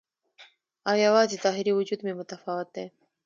او یوازې ظاهري وجود مې متفاوت دی